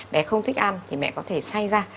bé không thích ăn thì mẹ có thể say ra